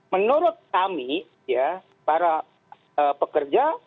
menurut kami para pekerja